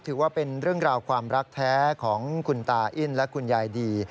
ถือว่าเป็นเรื่องราวความรักแท้ของคุณตาอิ้นและคุณยายดี